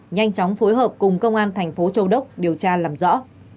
nhanh chóng phối hợp cùng công an thành phố châu đốc điều tra làm rõ